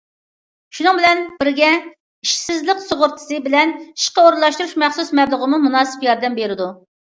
شۇنىڭ بىلەن بىرگە ئىشسىزلىق سۇغۇرتىسى بىلەن ئىشقا ئورۇنلاشتۇرۇش مەخسۇس مەبلىغىمۇ مۇناسىپ ياردەم بېرىدۇ.